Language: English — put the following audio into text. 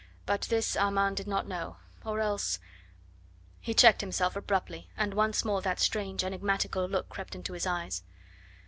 But this Armand did not know or else " He checked himself abruptly, and once more that strange, enigmatical look crept into his eyes.